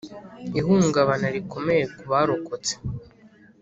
Ihungabana rikomeye ku barokotse